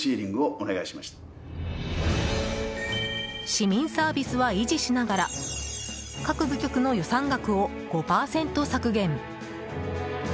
市民サービスは維持しながら各部局の予算額を５％削減。